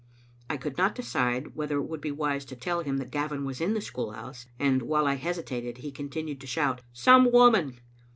I could not decide whether it would be wise to tell him that Gavin was in the school house, and while I hesitated he continued to shout :" Some woman